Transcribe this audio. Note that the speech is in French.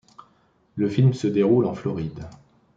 Le film se déroule en Floride.